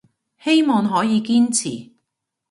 希望可以堅持